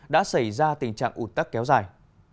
đã xảy ra tình trạng ụt tắc kéo dài